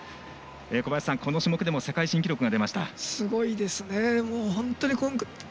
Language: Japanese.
小林さん、この種目でも世界新記録が出ました。